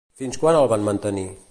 Fins quan el va mantenir?